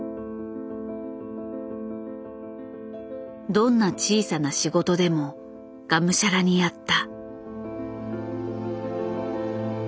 どんな小さな仕事でもがむしゃらにやった。